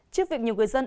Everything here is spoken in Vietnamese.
trước việc nhiều người dân